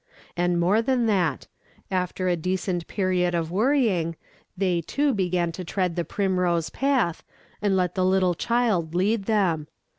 And more than that; after a decent period of worrying, they too began to tread the primrose path, and let the little child lead them.